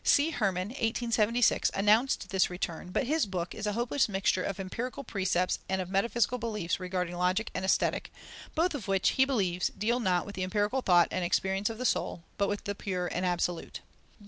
C. Hermann (1876) announced this return, but his book is a hopeless mixture of empirical precepts and of metaphysical beliefs regarding Logic and Aesthetic, both of which, he believes, deal not with the empirical thought and experience of the soul, but with the pure and absolute.